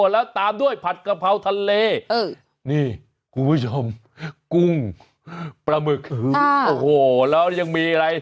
แล้วตามด้วยผัดกะเพราทะเลนี่กูไม่ชอบกุ้งปลาหมึกแล้วยังมีอะไร